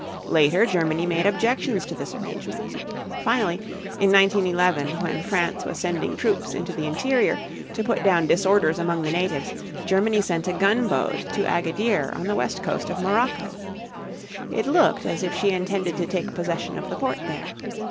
Later Germany made objections to this arrangement. Finally, in 1911, when France was sending troops into the interior to put down disorders among the natives, Germany sent a gunboat to Agadir (ah gah deer´), on the west coast of Morocco. It looked as if she intended to take possession of the port there.